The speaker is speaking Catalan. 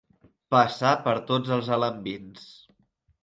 Passar per tots els alambins.